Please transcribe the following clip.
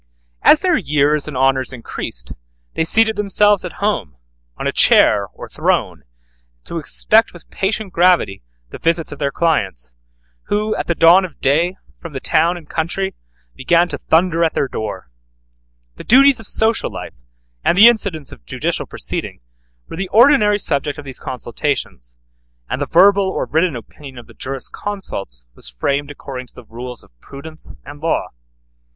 As their years and honors increased, they seated themselves at home on a chair or throne, to expect with patient gravity the visits of their clients, who at the dawn of day, from the town and country, began to thunder at their door. The duties of social life, and the incidents of judicial proceeding, were the ordinary subject of these consultations, and the verbal or written opinion of the juris consults was framed according to the rules of prudence and law.